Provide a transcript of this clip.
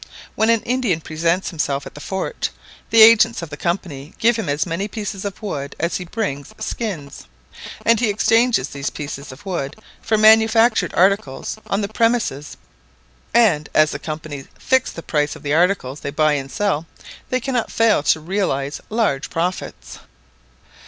When an Indian presents himself at the fort, the agents of the Company give him as many pieces of wood as he brings skins, and he exchanges these pieces of wood for manufactured articles on the premises; and as the Company fix the price of the articles they buy and sell, they cannot fail to realise large profits.